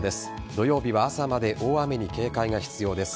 土曜日は朝まで大雨に警戒が必要です。